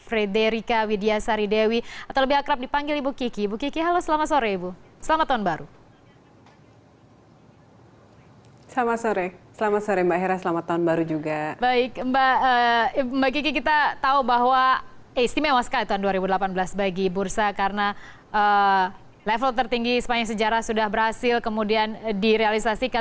level tertinggi sepanjang sejarah sudah berhasil kemudian direalisasikan